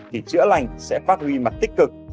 thì chữa lành sẽ phát huy mặt tích cực